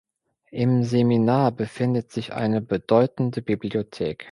Im Seminar befindet sich eine bedeutende Bibliothek.